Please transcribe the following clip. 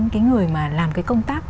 cái người mà làm cái công tác